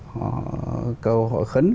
họ cầu họ khấn